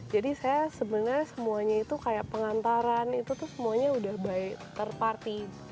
jadi saya sebenarnya semuanya itu kayak pengantaran itu tuh semuanya udah terparti